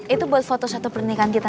itu buat foto satu pernikahan kita